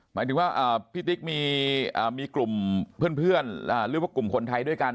หมายถึงว่าพี่ติ๊กมีกลุ่มเพื่อนหรือว่ากลุ่มคนไทยด้วยกัน